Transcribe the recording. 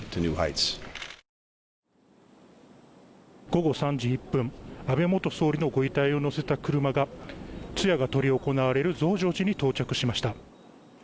午後３時１分、安倍元総理のご遺体をのせた車が通夜が執り行われる増上寺に到着しました。